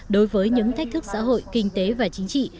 đối với những thách thức xã hội kinh tế và chính trị